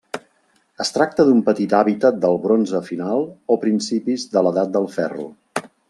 Es tracta d'un petit hàbitat del Bronze final o principis de l'Edat del Ferro.